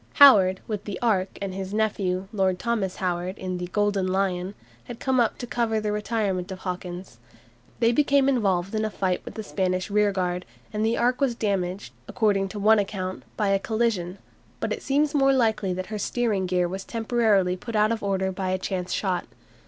Howard, with the "Ark," and his nephew, Lord Thomas Howard, in the "Golden Lion," had come up to cover the retirement of Hawkins. They became involved in a fight with the Spanish rearguard, and the "Ark" was damaged, according to one account, by a collision, but it seems more likely that her steering gear was temporarily put out of order by a chance shot.